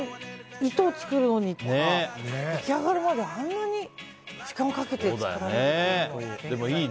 糸を作るのにとか出来上がるまであんなに時間をかけて作られているという。